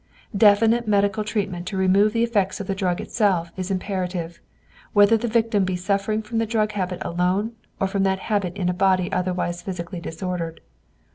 Definite medical treatment to remove the effects of the drug itself is imperative, whether the victim be suffering from the drug habit alone or from that habit in a body otherwise physically disordered.